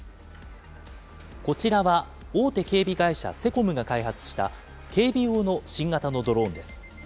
こちらは大手警備会社、セコムが開発した、警備用の新型のドローンです。